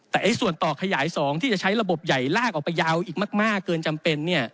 แต่ส่วนต่อขยาย๒ที่จะใช้ระบบใหญ่ลากออกไปยาวอีกมากเกินจำเป็น